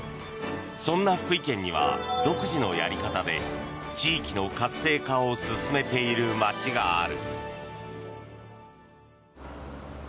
そんな福井県には独自のやり方で地域の活性化を進めている街がある。